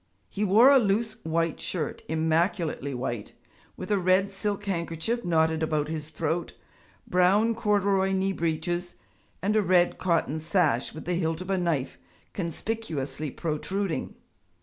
He wore a loose white shirt immaculately white with a red silk handkerchief knotted about his throat, brown corduroy knee breeches, and a red cotton sash with the hilt of a knife conspicuously protruding.